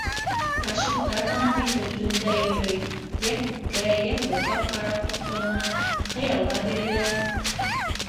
Ғашиҡтар ғына бит ул төндә йөрөй, йә күккә, йә һыуға ҡарап һоҡлана, хыялға бирелә...